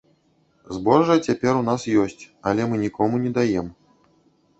Збожжа цяпер у нас ёсць, але мы нікому не даем.